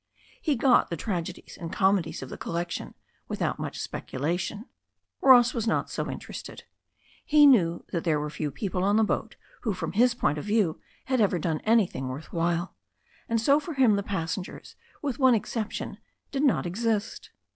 He got the tragedies and comedies of the collection without much speculation. Ross was not so interested. He knew that there were few people on that boat who from his point of view had ever done anything worth while. And so for him the passengers, with one exception, did not exist.